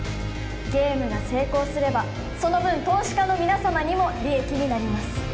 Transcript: ゲームが成功すればその分投資家の皆様にも利益になります